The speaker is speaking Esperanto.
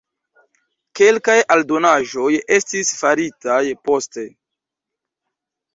Kelkaj aldonaĵoj estis faritaj poste.